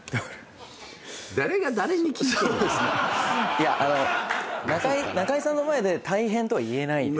いや中居さんの前で大変とは言えないですね。